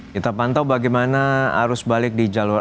kita pantau bagaimana arus balik di jalur